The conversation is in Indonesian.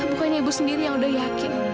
bukannya ibu sendiri yang udah yakin